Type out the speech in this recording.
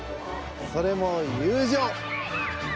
それも友情！